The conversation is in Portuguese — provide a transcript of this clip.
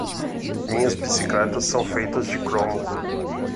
Minhas bicicletas são feitas de cromo.